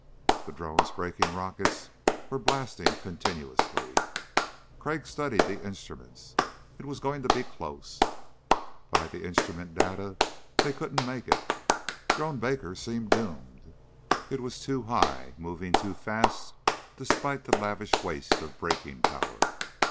The drone's braking rockets were blasting continuously. Crag studied the instruments. It was going to be close. By the instrument data they couldn't make it. Drone Baker seemed doomed. It was too high, moving too fast despite the lavish waste of braking power.